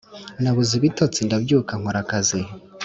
Nabuze ibitotsi ndabyuka nkora akazi